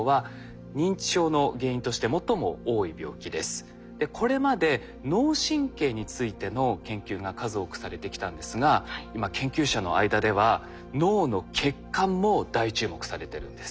今日見ていくこれまで脳神経についての研究が数多くされてきたんですが今研究者の間では脳の血管も大注目されてるんです。